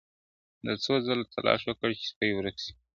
ده څو ځله تلاښ وکړ چي سپی ورک سي !.